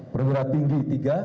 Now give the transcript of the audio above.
pemirah tinggi tiga